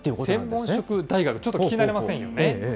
専門職大学、ちょっと聞き慣れませんよね。